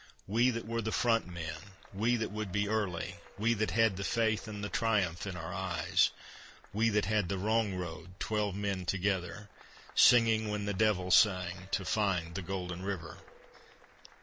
We that were the front men, we that would be early, We that had the faith, and the triumph in our eyes: We that had the wrong road, twelve men together, Singing when the devil sang to find the golden river.